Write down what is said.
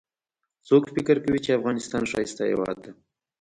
څوک فکر کوي چې افغانستان ښایسته هیواد ده